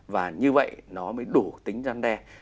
và như vậy nó mới đủ tính răn đe